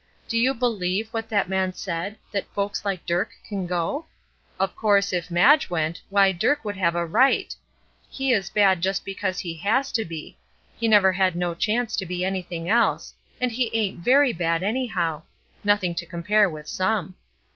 Do you believe what that man said that folks like Dirk can go? Of course, if Madge went, why Dirk would have a right. He is bad just because he has to be. He never had no chance to be anything else; and he ain't very bad, anyhow nothing to compare with some."